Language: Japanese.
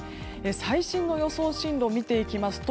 最新の予想進路を見ていきますと